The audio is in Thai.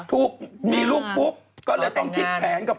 ถูกมีลูกปุ๊บก็เลยต้องคิดแผนกับ